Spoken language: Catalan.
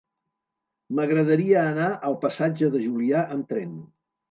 M'agradaria anar al passatge de Julià amb tren.